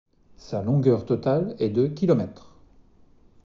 Sa longueur totale est de kilomètres.